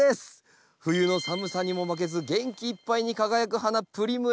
冬の寒さにも負けず元気いっぱいに輝く花プリムラ。